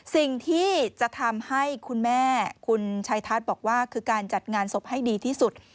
สิ่งที่จะทำให้คุณแม่คุณชัยทัศน์บอกว่าคือการจัดงานศพให้ดีที่สุด